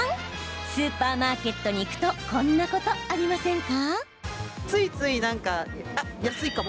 スーパーマーケットに行くとこんなことありませんか？